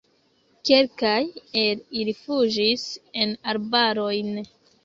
Kelkaj el ili fuĝis en arbarojn.